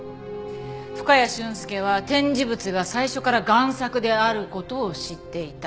深谷俊介は展示物が最初から贋作である事を知っていた。